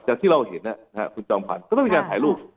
จากที่เราเห็นค่ะคุณจอมพันก็ต้องมีการถ่ายรูป